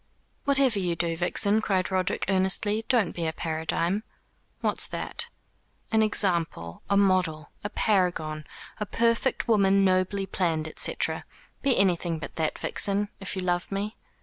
"Whatever you do, Vixen," cried Roderick earnestly, "don't be a paradigm." "What's that?" "An example, a model, a paragon, a perfect woman nobly planned, &c. Be anything but that, Vixen, if you love me."